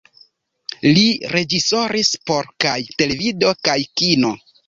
Li reĝisoris por kaj televido kaj kino.